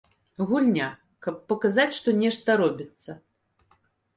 Гульня, каб паказаць, што нешта робіцца.